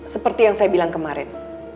seperti yang saya bilang kemarin